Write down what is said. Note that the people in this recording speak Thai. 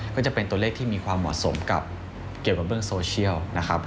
ก็จะเป็นตัวเลขที่มีความเหมาะสมกับเกี่ยวกับเรื่องโซเชียลนะครับ